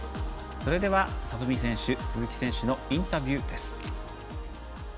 それでは里見選手、鈴木選手のインタビューです。